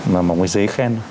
mà một cái giấy khen